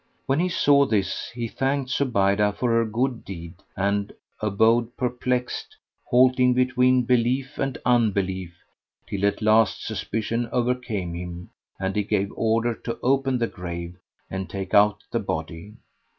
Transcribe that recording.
When he saw this, he thanked Zubaydah for her good deed and abode perplexed, halting between belief and unbelief till at last suspicion overcame him and he gave order to open the grave and take out the body.